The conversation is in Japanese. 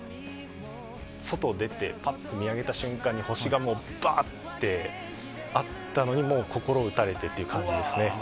外出てパッと見上げた瞬間星がぶわってあったのにもう、心打たれてって感じですね。